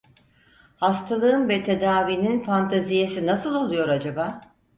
Hastalığın ve tedavinin fantaziyesi nasıl oluyor acaba?